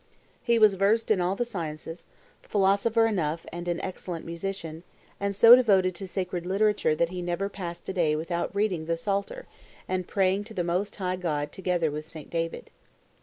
He was versed in all the sciences, philosopher enough and an excellent musician, and so devoted to sacred literature that he never passed a day without reading the Psalter and praying to the Most High God together with St. David."